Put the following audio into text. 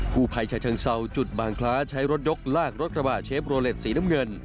ผู้ภัยชาเชิงเซาจุดบางคล้าใช้รถยกลากรถกระบะเชฟโรเล็ตสีน้ำเงิน